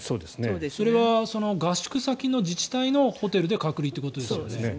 それは合宿先の自治体のホテルで隔離ということだよね。